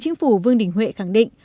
chính phủ vương đình huệ khẳng định